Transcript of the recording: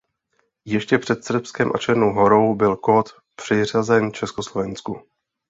Ještě před Srbskem a Černou Horou byl kód přiřazen Československu.